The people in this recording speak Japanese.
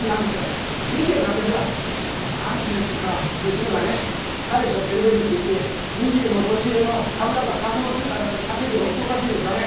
娘がね彼氏を連れてくるって言って２０も年上の株だか仮想通貨だかで稼いでる男らしいんですよね。